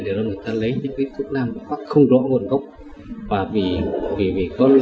để cho người ta lấy những thuốc nam không rõ nguồn gốc